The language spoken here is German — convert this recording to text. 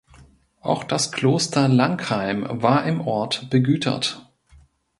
Auch das Kloster Langheim war im Ort begütert.